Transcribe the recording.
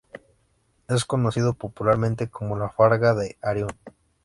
Es conocido popularmente como la Farga de Arión.